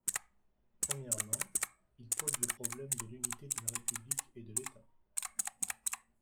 Premièrement, il pose le problème de l’unité de la République et de l’État.